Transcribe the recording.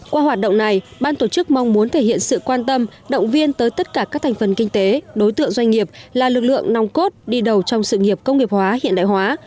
qua hoạt động này ban tổ chức mong muốn thể hiện sự quan tâm động viên tới tất cả các thành phần kinh tế đối tượng doanh nghiệp là lực lượng nòng cốt đi đầu trong sự nghiệp công nghiệp hóa hiện đại hóa